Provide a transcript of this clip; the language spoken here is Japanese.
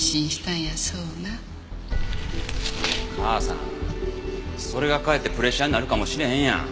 母さんそれがかえってプレッシャーになるかもしれへんやん。